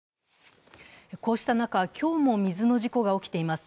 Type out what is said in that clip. こうした中、今日も水の事故が起きています。